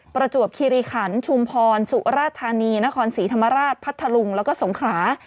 ประจวบคิริขันชุมพรสุราธานีนครศรีธรรมราชพัทธลุงแล้วก็สงขรา